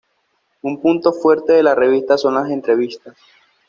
Un punto fuerte de la revista son las entrevistas.